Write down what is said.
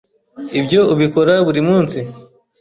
Ibyo ubikora buri munsi?